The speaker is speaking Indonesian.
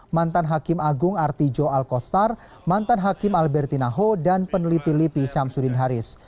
mantan hakim agung artijo alkostar mantan hakim alberti naho dan peneliti lipi syamsuddin haris